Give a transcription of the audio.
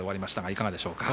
いかがでしょうか？